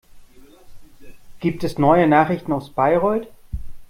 Gibt es neue Nachrichten aus Bayreuth?